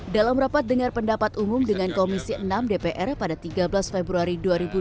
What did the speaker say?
dalam rapat dengar pendapat umum dengan komisi enam dpr pada tiga belas februari dua ribu dua puluh